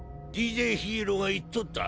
ＤＪヒーローが言っとった。